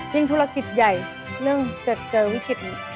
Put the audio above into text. ยิ่งธุรกิจใหญ่เรื่องเจอวิกฤติ